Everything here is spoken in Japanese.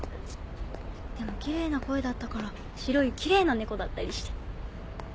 でもきれいな声だったから白いきれいな猫だったりして